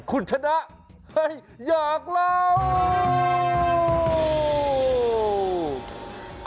คุณชนะเฮ้ยอยากเล่า